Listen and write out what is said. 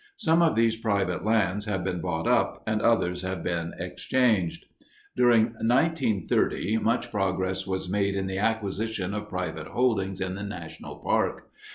Some of these private lands have been bought up, and others have been exchanged. During 1930 much progress was made in the acquisition of private holdings in the national park.